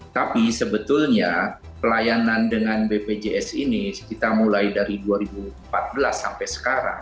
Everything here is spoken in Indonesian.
tapi sebetulnya pelayanan dengan bpjs ini kita mulai dari dua ribu empat belas sampai sekarang